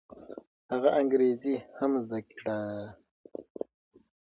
هغه انګریزي هم زده کړه.